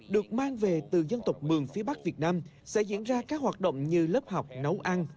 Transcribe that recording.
được mang về từ dân tộc mường phía bắc việt nam sẽ diễn ra các hoạt động như lớp học nấu ăn